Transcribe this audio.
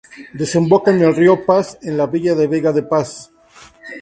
Desemboca en el río Pas, en la villa de Vega de Pas.